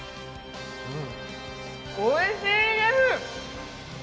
おいしいです。